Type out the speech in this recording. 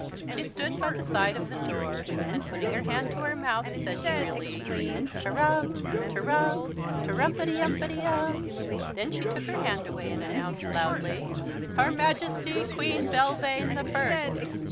She stood by the side of the door, and putting her hand to her mouth said shrilly, "Ter rum, ter rum, terrumty umty um." Then she took her hand away and announced loudly, "Her Majesty Queen Belvane the First!"